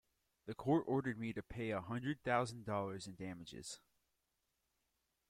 The court ordered me to pay a hundred thousand dollars in damages.